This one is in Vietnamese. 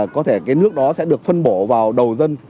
có thể cái nước đó sẽ được phân bổ vào đầu dân